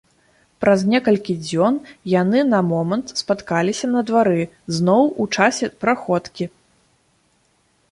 Праз некалькі дзён яны на момант спаткаліся на двары, зноў у часе праходкі.